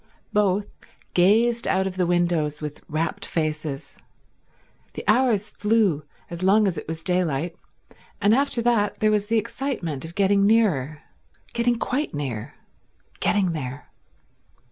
Both gazed out of the windows with rapt faces. The hours flew as long as it was daylight, and after that there was the excitement of getting nearer, getting quite near, getting there.